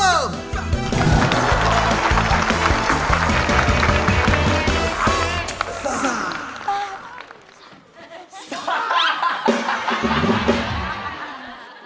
บังคับ